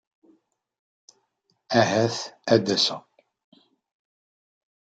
Ahat ad aseɣ.